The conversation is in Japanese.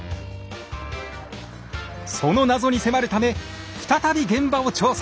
その謎に迫るため再び現場を調査！